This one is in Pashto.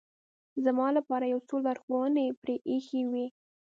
زما لپاره یو څو لارښوونې پرې اېښې وې.